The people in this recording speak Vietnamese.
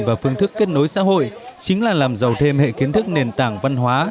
và phương thức kết nối xã hội chính là làm giàu thêm hệ kiến thức nền tảng văn hóa